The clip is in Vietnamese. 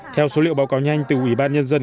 theo số liệu báo cáo nhanh từ ủy ban nhân dân